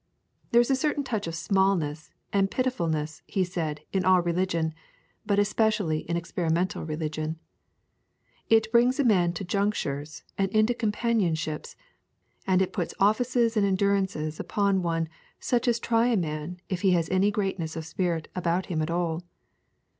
There is a certain touch of smallness and pitifulness, he said, in all religion, but especially in experimental religion. It brings a man into junctures and into companionships, and it puts offices and endurances upon one such as try a man if he has any greatness of spirit about him at all.